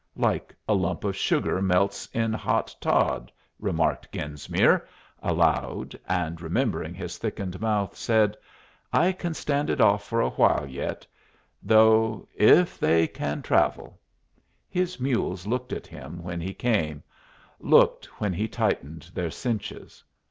"Like a lump of sugar melts in hot tod," remarked Genesmere, aloud, and remembered his thickened mouth again. "I can stand it off for a while yet, though if they can travel." His mules looked at him when he came looked when he tightened their cinches.